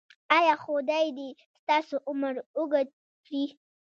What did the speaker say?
ایا خدای دې ستاسو عمر اوږد کړي؟